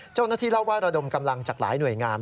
เจ้าหน้าที่เล่าว่าระดมกำลังจากหลายหน่วยงาน